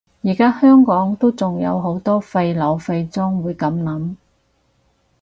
而家香港都仲有好多廢老廢中會噉諗